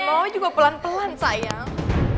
mau juga pelan pelan sayang